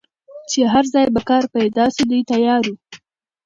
چي هر ځای به کار پیدا سو دی تیار وو